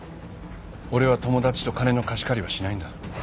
俺は友達と金の貸し借りはしないんだ。